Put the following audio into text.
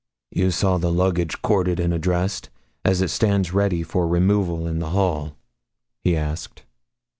'You saw the luggage corded and addressed, as it stands ready for removal in the hall?' he asked.